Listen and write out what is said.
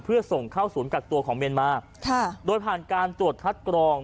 เพื่อส่งเข้าศูนย์กักตัวของเมียนมาค่ะโดยผ่านการตรวจคัดกรอง